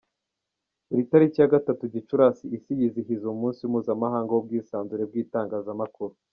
Buri tariki ya gatatu Gicurasi, isi yose yizihiza Umunsi Mpuzamahanga w’Ubwisanzure bw’Itangazamakuru.